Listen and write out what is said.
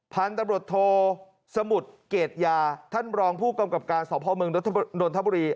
พันธุ์ตำรวจโทสมุทรเกรดยาท่านรองผู้กำกับการสพเมืองนนทบุรี